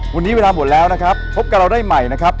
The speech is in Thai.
วันนี้เวลาหมดแล้วนะครับพบกับเราได้ใหม่นะครับ